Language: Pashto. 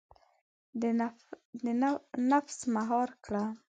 • نفس مهار کړه.